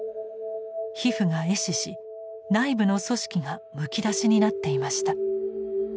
皮膚が壊死し内部の組織がむき出しになっていました。